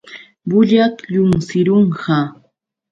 Bullaćh lluqsirunqa.